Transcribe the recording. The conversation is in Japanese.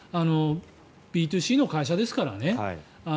ＢｔｏＣの会社ですからね。